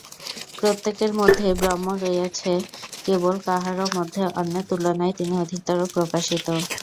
প্রত্যেকের মধ্যেই ব্রহ্ম রহিয়াছেন, কেবল কাহারও মধ্যে অন্যের তুলনায় তিনি অধিকতর প্রকাশিত।